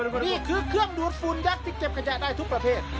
นี่คือเครื่องดูดฝุ่นยักษ์ที่เก็บขยะได้ทุกประเภท